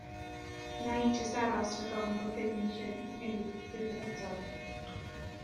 Wna i jyst aros rhag ofn bod rhywun eisiau newid rhywbeth eto.